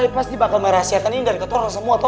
pasti bakal merahsiakan ini dari katoran semua toh